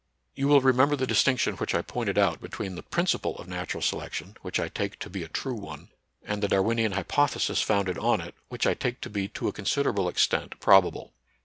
You will remember the distinction which I pointed out between the principle of natural se lection, which I take to be a true one, and the Darwinian hypothesis founded on it, which I take to be to a considerable extent probable.